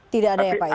tidak ada apa ya